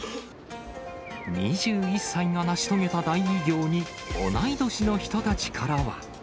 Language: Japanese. ２１歳が成し遂げた大偉業に、同い年の人たちからは。